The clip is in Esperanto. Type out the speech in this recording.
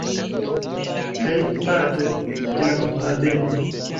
Hejmpaĝo de la flughaveno.